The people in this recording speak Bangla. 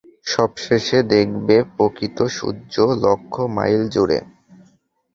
সবশেষে দেখবে, প্রকৃত সূর্য লক্ষ মাইল জুড়ে।